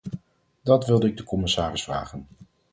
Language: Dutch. Dat wilde ik de commissaris vragen.